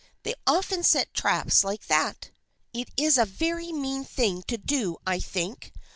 They often set traps like that." " It is a very mean thing to do, I think.